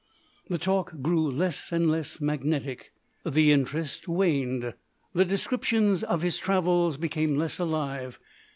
The talk grew less and less magnetic; the interest waned; the descriptions of his travels became less alive.